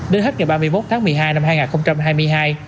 đến hết ngày ba mươi một tháng một mươi hai năm hai nghìn hai mươi hai